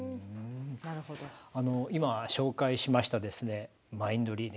今、紹介しましたマインドリーディング。